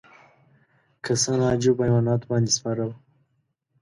کسان عجیبو حیواناتو باندې سپاره وو.